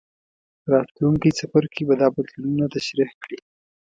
راتلونکی څپرکی به دا بدلونونه تشریح کړي.